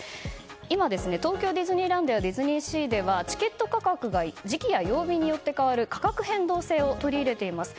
今、東京ディズニーランドやディズニーシーではチケット価格が時期や曜日によって変わる価格変動制を取り入れています。